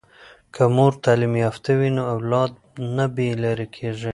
که مور تعلیم یافته وي نو اولاد نه بې لارې کیږي.